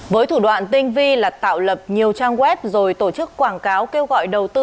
với thủ đoạn tinh vi là tạo lập nhiều trang web rồi tổ chức quảng cáo kêu gọi đầu tư